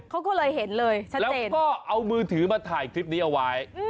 เขาก็เลยเห็นเลยแล้วก็เอามือถือมาถ่ายคลิปนี้เอาไว้